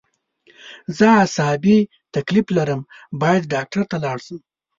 زه عصابي تکلیف لرم باید ډاکټر ته لاړ شم